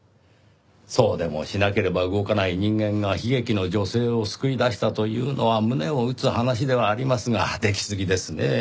そうでもしなければ動かない人間が悲劇の女性を救い出したというのは胸を打つ話ではありますが出来過ぎですねぇ。